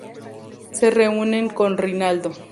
Se reúnen con Rinaldo.